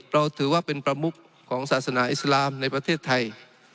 เราถือว่าเป็นประมุขของศาสนาอิสลามในประเทศไทย